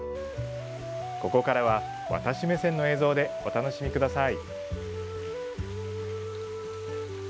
ここからは私目線の映像でお楽しみください。